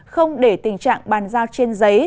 không để tình trạng bàn giao trên giấy